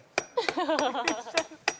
「ハハハハ」